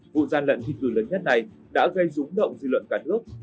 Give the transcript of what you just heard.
vụ gian lận thi cử lớn nhất này đã gây rúng động dư luận cả nước